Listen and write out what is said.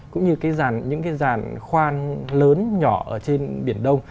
cũng như những cái dàn khoan lớn nhỏ ở trên biển đông